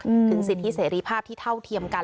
ถึงสิทธิเสรีภาพที่เท่าเทียมกัน